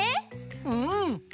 うん！